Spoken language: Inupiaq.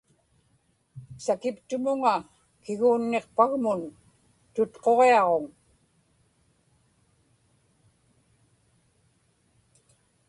sakiptumuŋa kiguunniqpagmun tutquġiaġuŋ